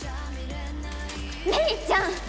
玲ちゃん！